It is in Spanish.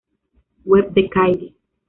Web de Kylie